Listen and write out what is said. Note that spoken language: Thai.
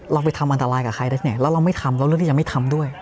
เราไปทำอันตรายกับใครได้เนี่ยแล้วเราไม่ทำแล้วเลือกที่จะไม่ทำด้วย